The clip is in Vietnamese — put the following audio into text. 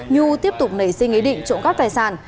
nhu tiếp tục nảy sinh ý định trộm cắp tài sản